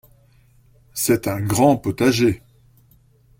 C’est un grand potager!